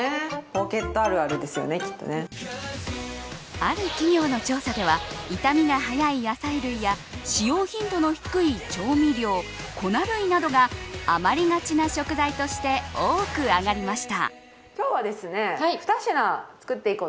ある企業の調査では傷みが早い野菜類や使用頻度の低い調味料粉類などが余りがちな食材として多く上がりました。